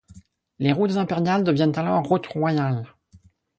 Les routes impériales deviennent alors routes royales.